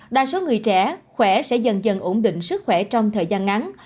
đa số người trẻ khỏe sẽ dần dần ổn định sức khỏe trong thời gian ngắn